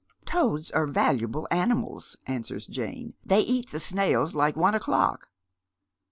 "Toads are valuable animals," answers Jane. " They eat tho snails like one o'clock."